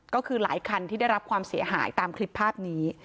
ก็คือหลายคันที่ได้รับความเสียหายตามคลิปภาพนี้